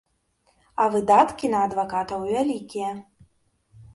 А выдаткі на адвакатаў вялікія.